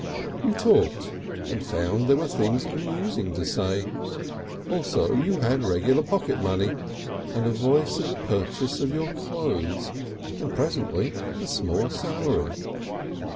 You talked, and found there were things amusing to say. Also you had regular pocket money, and a voice in the purchase of your clothes, and presently a small salary.